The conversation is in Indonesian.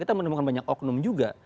kita menemukan banyak oknum juga